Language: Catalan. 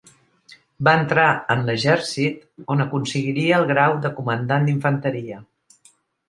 Va entrar en l'exèrcit, on aconseguiria el grau de Comandant d'Infanteria.